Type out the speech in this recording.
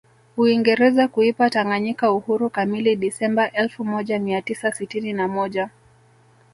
Uingereza kuipa Tanganyika uhuru kamili Disemba elfu moja Mia tisa sitini na moja